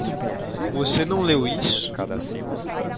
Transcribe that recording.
Você não leu isso?